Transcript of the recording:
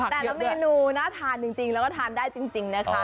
เรื่องละมีนุน่าทานจริงทานได้จริงนะคะ